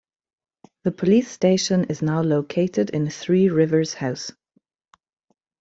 The police station is now located in Three Rivers House.